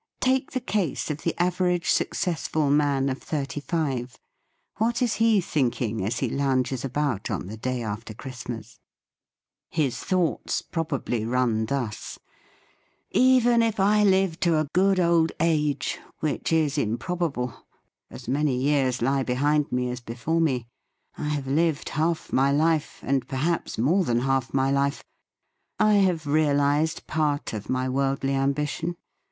Take the case of the average successful man of thirty five. What is he thinking as he lounges about on the day after Christ mas? THE FEAST OF ST FRIEND His thoughts probably run thus: "Even if I live to a good old age, which is improbable, as many years lie behind me as before me. I have lived half my life, and perhaps more than half my life. I have realised part of my world ly ambition.